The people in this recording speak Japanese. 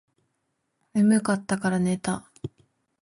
眠かったらから寝た